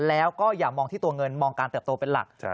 แล้วก็อย่ามองที่ตัวเงินมองการเติบโตเป็นหลัก